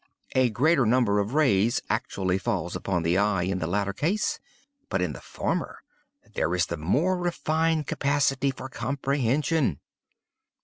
A greater number of rays actually fall upon the eye in the latter case, but, in the former, there is the more refined capacity for comprehension.